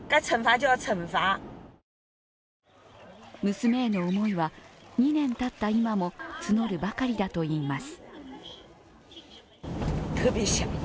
娘への思いは２年たった今も募るばかりだといいます。